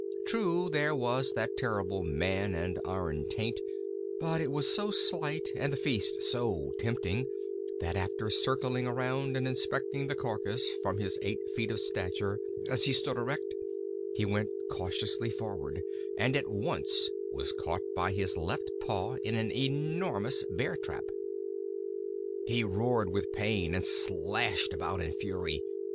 True, there was that terrible man and iron taint, but it was so slight and the feast so tempting that after circling around and inspecting the carcass from his eight feet of stature, as he stood erect, he went cautiously forward, and at once was caught by his left paw in an enormous Bear trap. He roared with pain and slashed about in a fury.